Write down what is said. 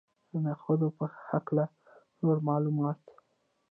د نخودو په هکله نور معلومات.